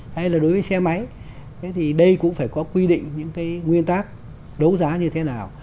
hay là đối với xe máy thì đây cũng phải có quy định những cái nguyên tắc đấu giá như thế nào